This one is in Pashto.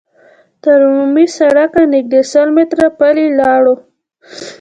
تر عمومي سړکه نږدې سل متره پلي لاړو.